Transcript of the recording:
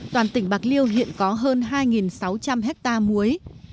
toàn tỉnh bạc liêu hiện có hơn hai sáu trăm linh hectare muối